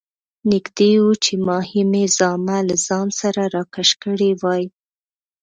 نږدې وو چې ماهي مې زامه له ځان سره راکش کړې وای.